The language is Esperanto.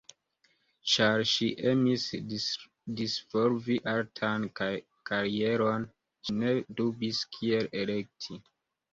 Ĉar ŝi emis disvolvi artan karieron, ŝi ne dubis kiel elekti.